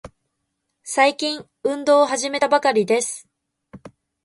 最近、運動を始めたばかりです。